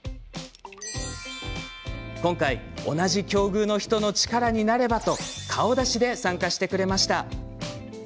今回、同じ境遇の人の力になればと顔出しで参加してくれました。